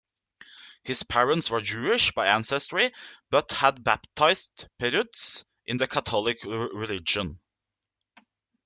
His parents were Jewish by ancestry, but had baptised Perutz in the Catholic religion.